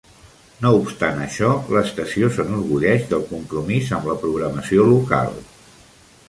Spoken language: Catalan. No obstant això, l'estació s'enorgulleix del compromís amb la programació local.